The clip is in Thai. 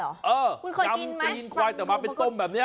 เออกำตีนควายแต่มาต้มแบบนี้